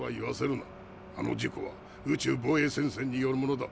あの事故は宇宙防衛戦線によるものだ。